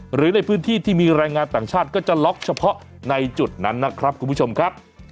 หรือในพื้นที่ที่มีแรงงานต่างชาติก็จะล็อกเฉพาะในจุดนั้นนะครับคุณผู้ชมครับ